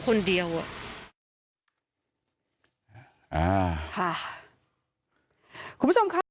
คนเดียวอ่ะ